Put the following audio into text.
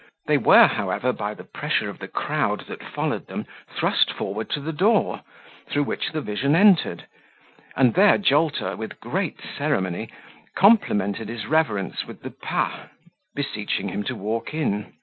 They were, however, by the pressure of the crowd that followed them, thrust forward to the door, through which the vision entered; and there Jolter, with great ceremony, complimented his reverence with the pas, beseeching him to walk in.